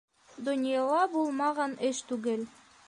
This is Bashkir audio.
Донъяла булмаған эш түгел.